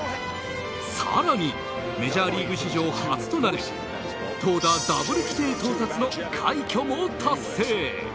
更にメジャーリーグ史上初となる投打ダブル規定到達の快挙も達成。